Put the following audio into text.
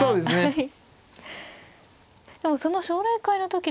はい。